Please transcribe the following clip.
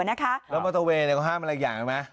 แล้วมอเตอร์เวย์เขาห้ามอะไรอย่างรู้ไหม